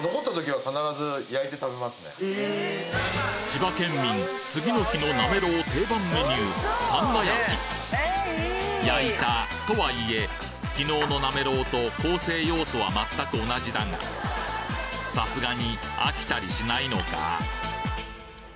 千葉県民次の日のなめろう定番メニュー焼いたとはいえ昨日のなめろうと構成要素はまったく同じだがさすがに飽きたりしないのか？